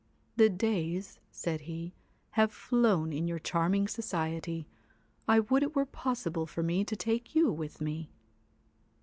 ' The days,' said he, ' have flown in your charming society. I would it were possible for me to take you with me.'